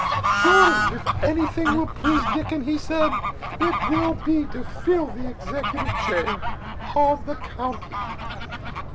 Surely, if anything will please Dickon,' he said, 'it will be to fill the executive chair of the county.'"